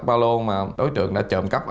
balo mà đối tượng đã trộm cắp